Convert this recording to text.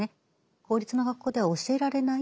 公立の学校では教えられない